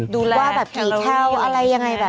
ดูแลอาริกัอะอะไรอ่า